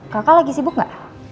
kakak lagi sibuk gak